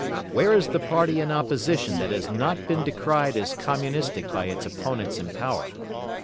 Where is the party in opposition that has not been decried as Communistic by its opponents in power?